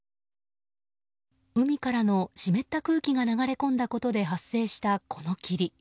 海からの湿った空気が流れ込んだことで発生したこの霧。